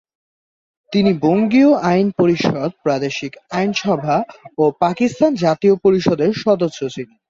তিনি বঙ্গীয় আইন পরিষদ, প্রাদেশিক আইন সভা ও পাকিস্তান জাতীয় পরিষদের সদস্য ছিলেন।